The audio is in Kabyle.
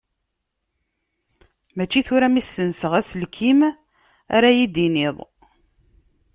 Mačči tura mi ssenseɣ aselkim ara yi-d-tiniḍ.